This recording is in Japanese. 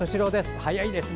早いですね